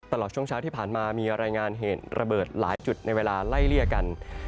ตลอดช่วงเช้าที่ผ่านมามีรายงานเหตุระเบิดหลายจุดในเวลาไล่เลี่ยกัน